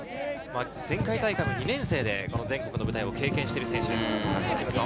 前回大会の２年生で、全国の舞台を経験している選手です。